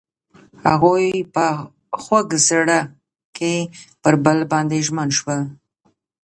هغوی په خوږ زړه کې پر بل باندې ژمن شول.